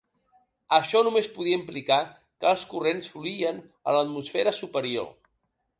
Això només podia implicar que els corrents fluïen en l'atmosfera superior.